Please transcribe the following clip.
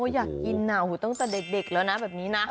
อยากกินหนาวตั้งแต่เด็กแล้วนะแบบนี้นะ